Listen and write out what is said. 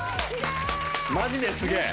マジですげえ！